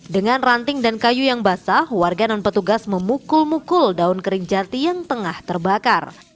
dengan ranting dan kayu yang basah warga dan petugas memukul mukul daun kering jati yang tengah terbakar